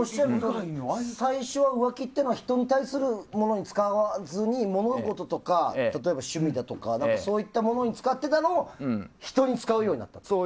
最初は浮気っていうのは人に対しては使わずにものごととか例えば、趣味だとかそういったものに使っていたのを人に使うようになったんですか？